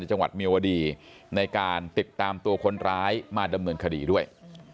จังหวัดเมียวดีในการติดตามตัวคนร้ายมาดำเนินคดีด้วย